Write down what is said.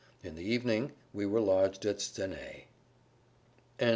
In the evening we were lodged at Stenay.